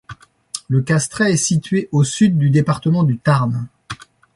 Le Castrais est situé au sud du département du Tarn.